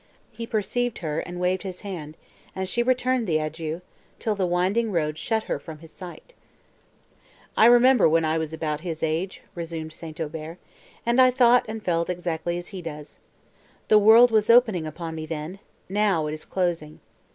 Her perceived her, and waved his hand; and she returned the adieu, till the winding road shut her from his sight. "I remember when I was about his age," resumed St. Aubert, "and I thought, and felt exactly as he does. The world was opening upon me then, now—it is closing."